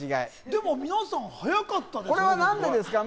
でも皆さん、はやかったですよね。